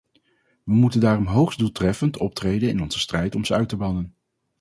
We moeten daarom hoogst doeltreffend optreden in onze strijd om ze uit te bannen.